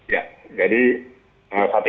ya jadi saat ini